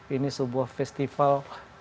ini sebuah festival